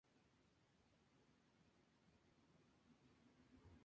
Es licenciado en Ciencias económicas por la Universidad de Valencia.